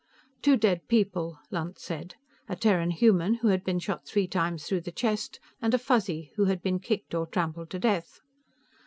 "Two dead people," Lunt said. "A Terran human, who had been shot three times through the chest, and a Fuzzy, who had been kicked or trampled to death."